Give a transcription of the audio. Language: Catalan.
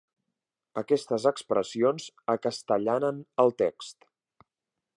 Aquestes expressions acastellanen el text.